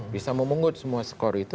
bisa memungut semua skor itu